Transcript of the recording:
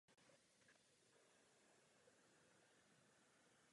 Vůbec poprvé bylo toto řešení použito u amerických bitevních lodí třídy South Carolina.